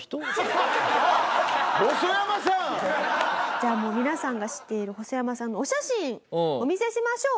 じゃあもう皆さんが知っているホソヤマさんのお写真お見せしましょう。